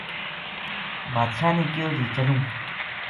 بادشاہ نے کہیو جی چلوں